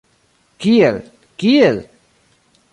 Kiel, kiel?